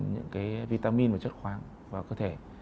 những cái vitamin và chất khoáng vào cơ thể